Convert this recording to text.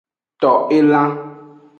To elan.